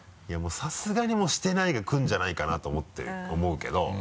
いやもうさすがにしてないがくるんじゃないかなと思うけど。